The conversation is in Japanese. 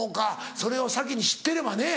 それを先に知ってればね。